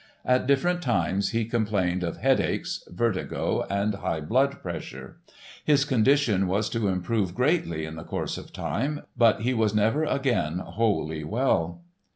At different times he complained of "headaches, vertigo and high blood pressure." His condition was to improve greatly in the course of time but he was never again wholly well.